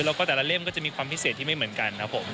แล้วก็แต่ละเล่มก็จะมีความพิเศษที่ไม่เหมือนกันครับผม